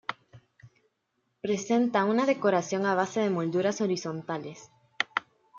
Presenta una decoración a base de molduras horizontales.